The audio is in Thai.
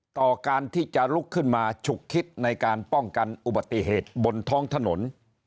ต่อการที่จะลุกขึ้นมาฉุกคิดในการป้องกันอุบัติเหตุบนท้องถนน